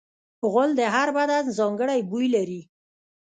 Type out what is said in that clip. غول د هر بدن ځانګړی بوی لري.